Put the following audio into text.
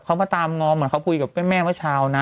เขามาตามง้อเหมือนเขาคุยกับแม่เมื่อเช้านะ